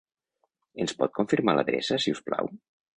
Ens pot confirmar l'adreça, si us plau?